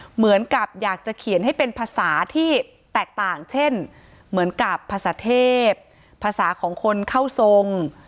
เหมือนกับอยากจะเขียนให้เป็นภาษาที่แตกต่างเช่นเหมือนกับภาษาเทพภาษาของคนเข้าทรง